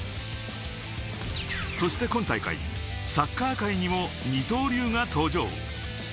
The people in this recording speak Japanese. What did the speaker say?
そして今大会、サッカー界にも二刀流が登場。